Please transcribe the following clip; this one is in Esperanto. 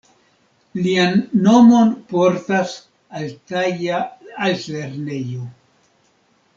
Lian nomon portas altaja altlernejo.